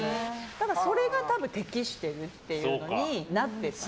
だから、それが適してるっていうのになっていった。